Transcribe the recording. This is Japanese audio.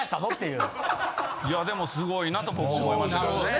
いやでもすごいなと僕は思いましたけどね。